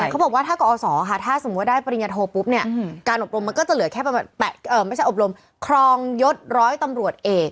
แล้วเขาบอกว่าถ้าด้วยกรมออสค่ะถ้าสมมุติได้ปริญญาโทปุ๊บเนี่ยการอบรมมันก็จะเหลือเป็นแค่คลองร้อยตำรวจเอก